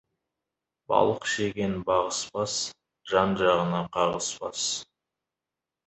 Балық жеген бағыспас, жан-жағына қағыспас.